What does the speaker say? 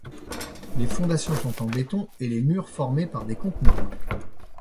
Les fondations sont en béton et les murs formés par des conteneurs.